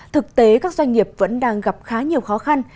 thực tế các doanh nghiệp vẫn đang gặp khá nhiều khó khăn